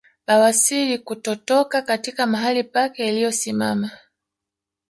Bawasiri kutotoka katika mahali pake iliyosimama